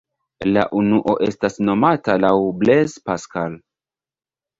La unuo estas nomata laŭ Blaise Pascal.